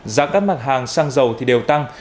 giá các mặt hàng xăng dầu thì đều tăng